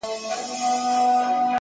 ښه اخلاق اوږده یادونه پرېږدي,